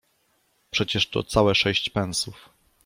Przecież to całe sześć pensów.